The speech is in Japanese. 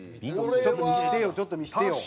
ちょっと見せてよ。